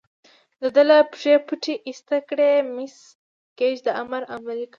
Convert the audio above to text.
د ده له پښې پټۍ ایسته کړه، مس ګېج دا امر عملي کړ.